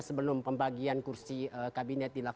sebelum pembagian kursi kabinet dilakukan